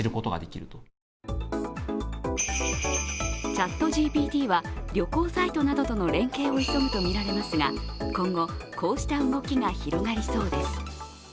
ＣｈａｔＧＰＴは旅行サイトなどとの連携を急ぐとみられますが今後、こうした動きが広がりそうです。